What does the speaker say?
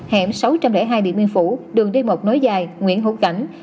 hẻm sáu trăm linh hai điện biên phủ đường d một nối dài nguyễn hữu cảnh